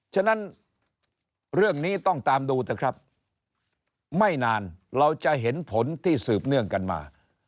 ฉะนั้นเรื่องนี้ต้องตามดูเถอะครับไม่นานเราจะเห็นผลที่สืบเนื่องกันมา